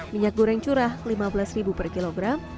minyak goreng curah rp lima belas per kilogram